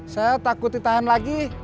saya takut ditahan lagi